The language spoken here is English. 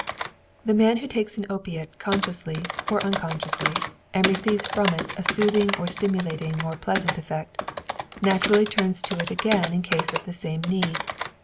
The man who takes an opiate consciously or unconsciously, and receives from it a soothing or stimulating or pleasant effect, naturally turns to it again in case of the same need.